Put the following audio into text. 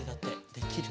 できる？